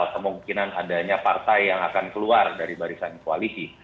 kemungkinan adanya partai yang akan keluar dari barisan koalisi